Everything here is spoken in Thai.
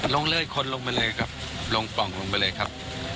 ลงเลยคนลงไปเลยครับลงปล่องลงไปเลยครับ